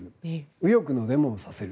右翼のデモをさせる。